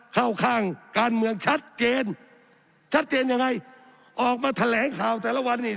เข้าข้างการเมืองชัดเจนชัดเจนยังไงออกมาแถลงข่าวแต่ละวันนี้